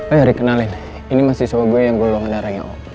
oh ya rick kenalin ini masih sewa gue yang gue luang darahnya om